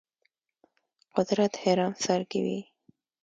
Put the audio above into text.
قدرت هرم سر کې وي.